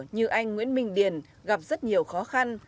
như anh nguyễn minh điền gặp rất nhiều khó khăn